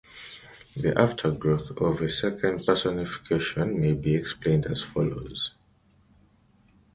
The aftergrowth of a second personification may be explained as follows.